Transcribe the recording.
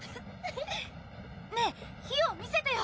ねえ火を見せてよ。